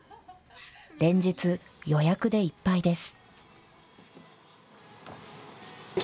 連日、予約でいっぱいです。